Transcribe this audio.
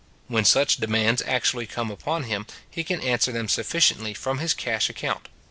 When such demands actually come upon him, he can answer them sufficiently from his cash account.